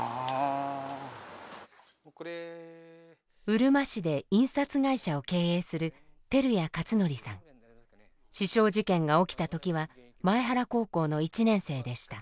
うるま市で印刷会社を経営する刺傷事件が起きた時は前原高校の１年生でした。